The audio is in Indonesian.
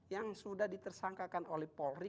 yang sudah ditersangkakan oleh polri